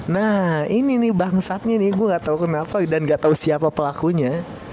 nah ini nih bangsatnya nih gue gak tau kenapa dan gak tahu siapa pelakunya